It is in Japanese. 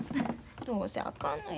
どうせあかんのや。